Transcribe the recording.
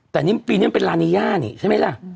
แต่นี่ปีนี้มันเป็นลานีย่านี่ใช่ไหมล่ะ